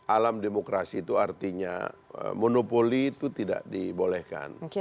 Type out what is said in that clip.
alam demokrasi itu artinya monopoli itu tidak dibolehkan